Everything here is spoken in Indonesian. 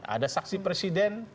ada saksi presiden